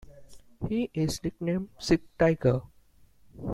He is nicknamed "Sick Tiger".